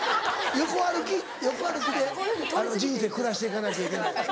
横歩きで人生暮らして行かないといけない。